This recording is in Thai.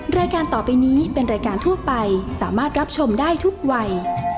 รายการต่อไปนี้เป็นรายการทั่วไปสามารถรับชมได้ทุกวัย